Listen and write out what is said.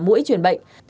và mũi chuyển bệnh